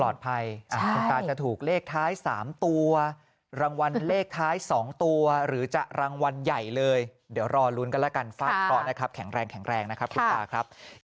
ปลอดภัยคุณตาจะถูกเลขท้าย๓ตัว